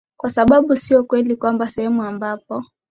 kwa sababu sio kweli kwamba sehemu ambapo